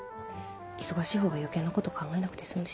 忙しい方が余計なこと考えなくて済むし。